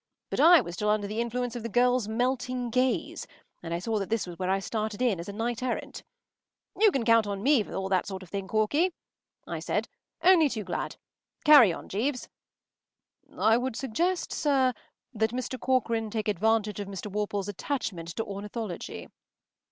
But I was still under the influence of the girl’s melting gaze, and I saw that this was where I started in as a knight errant. “You can count on me for all that sort of thing, Corky,” I said. “Only too glad. Carry on, Jeeves.” “I would suggest, sir, that Mr. Corcoran take advantage of Mr. Worple’s attachment to ornithology.